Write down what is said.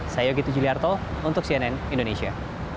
saya yogi tujuliarto untuk cnn indonesia